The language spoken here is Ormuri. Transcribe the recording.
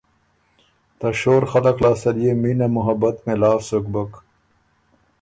ته شور خلق لاسته ليې مینه محبت مېلاؤ سُک بُک،